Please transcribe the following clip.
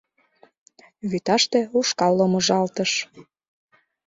Вӱташте ушкал ломыжалтыш.